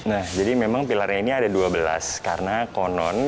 nah jadi memang pilarnya ini ada dua belas karena konon